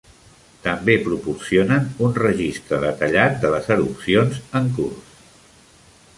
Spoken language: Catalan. També proporcionen un registre detallat de les erupcions en curs.